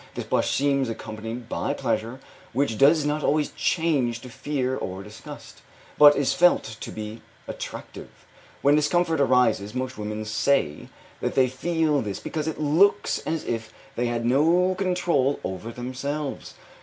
This blush seems accompanied by pleasure which does not always change to fear or disgust, but is felt to be attractive. When discomfort arises, most women say that they feel this because 'it looks as if they had no control over themselves.'